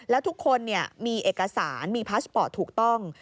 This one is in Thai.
แล้วทุกคนมีเอกสารมีพาสปอร์ตถูกต้อง